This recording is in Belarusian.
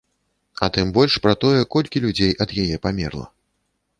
А тым больш пра тое, колькі людзей ад яе памерла.